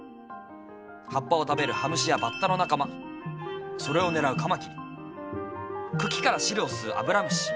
葉っぱを食べるハムシやバッタの仲間それを狙うカマキリ茎から汁を吸うアブラムシ